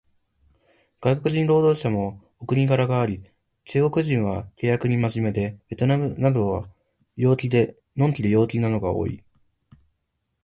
外国人労働者もお国柄があり、中国人は契約に真面目で、ベトナムなどは呑気で陽気なのが多い